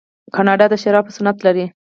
کاناډا د شرابو صنعت لري.